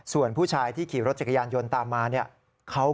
ส่วนผู้ชายที่ขี่รถจักรยานยนต์ตามมาเนี่ย